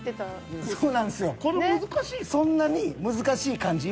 そんなに難しい感じ